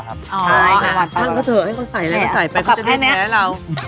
ให้เขาหวานก็เถอะให้เขาใส่อะไรเขาใส่เล็กเรา